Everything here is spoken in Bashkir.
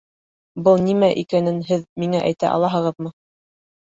Был нимә икәнен һеҙ миңә әйтә алаһығыҙмы?